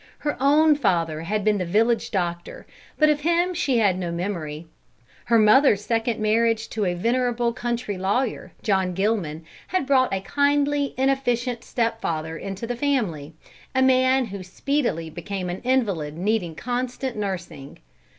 Her own father had been the village doctor, but of him she had no memory. Her mother's second marriage to a venerable country lawyer, John Gilman, had brought a kindly, inefficient stepfather into the family, a man who speedily became an invalid needing constant nursing.